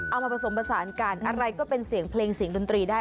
มาผสมผสานกันอะไรก็เป็นเสียงเพลงเสียงดนตรีได้